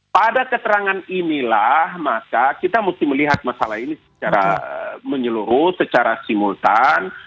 pada keterangan inilah maka kita mesti melihat masalah ini secara menyeluruh secara simultan